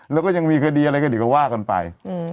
แล้วก็ยังมีคดีอะไรก็ว่ากันไป